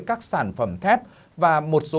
các sản phẩm thép và một số